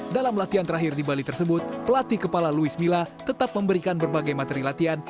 dalam latihan terakhir di bali tersebut pelatih kepala louis mila tetap memberikan berbagai materi latihan